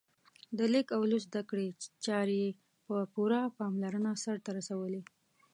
د لیک او لوست زده کړې چارې یې په پوره پاملرنه سرته رسولې.